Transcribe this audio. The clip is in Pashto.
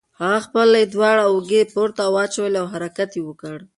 هغه خپلې دواړه اوږې پورته واچولې او حرکت یې وکړ.